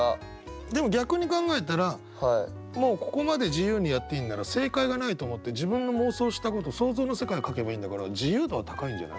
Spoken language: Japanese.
でも逆に考えたらもうここまで自由にやっていいんなら正解がないと思って自分の妄想したこと想像の世界を書けばいいんだから自由度は高いんじゃない？